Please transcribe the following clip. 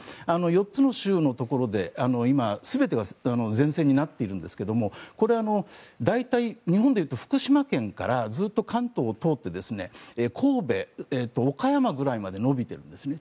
４つの州のところで今、全てが前線になっているんですがこれは大体、日本でいうと福島県から関東を通って神戸、岡山ぐらいまで延びているんですね。